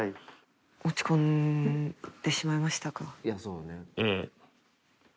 落ち込んでしまいましたか。